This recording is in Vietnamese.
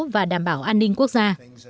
và đảm bảo an ninh quốc gia